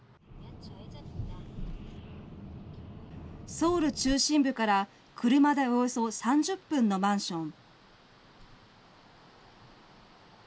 ソウル中心部から車でおよそ３０分のマンション。